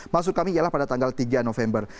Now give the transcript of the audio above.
maksud kami ialah pada tanggal tiga november